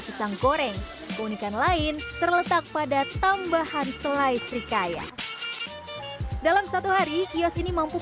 pisang goreng keunikan lain terletak pada tambahan selai srikaya dalam satu hari kios ini mampu